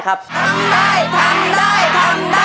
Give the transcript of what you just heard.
๑หมื่น